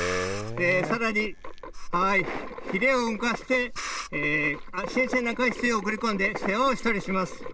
さらに、ひれを動かして、新鮮な海水を送り込んで世話をしたりします。